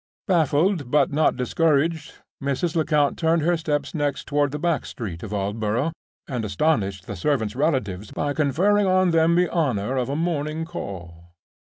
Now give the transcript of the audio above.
Baffled, but not discouraged, Mrs. Lecount turned her steps next toward the back street of Aldborough, and astonished the servant's relatives by conferring on them the honor of a morning call.